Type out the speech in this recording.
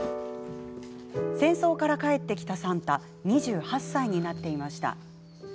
戦争から帰ってきた算太２８歳になっていました。